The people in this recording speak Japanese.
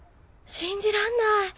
信じらんない！